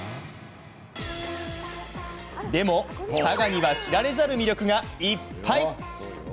でも、佐賀には知られざる魅力がいっぱい。